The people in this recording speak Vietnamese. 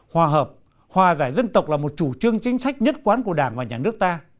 hòa hợp hòa giải dân tộc là một chủ trương chính sách nhất quán của đảng và nhà nước ta